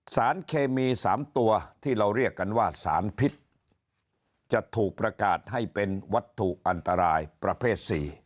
สารเคมี๓ตัวที่เราเรียกกันว่าสารพิษจะถูกประกาศให้เป็นวัตถุอันตรายประเภท๔